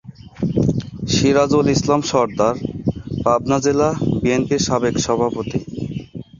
সিরাজুল ইসলাম সরদার পাবনা জেলা বিএনপির সাবেক সভাপতি।